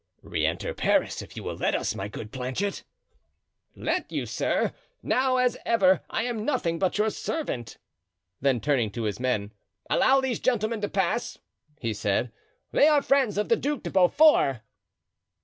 "Re enter Paris, if you will let us, my good Planchet." "Let you, sir? Now, as ever, I am nothing but your servant." Then turning to his men: "Allow these gentlemen to pass," he said; "they are friends of the Duc de Beaufort."